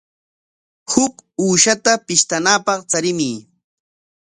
Huk uushata pishtanapaq charimuy.